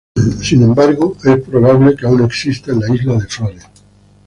Sin embargo, es probable que aún exista en la isla de Flores.